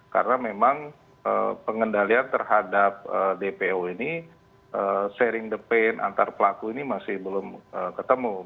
karena memang pengendalian terhadap dpo ini sharing the pain antar pelaku ini masih belum ketemu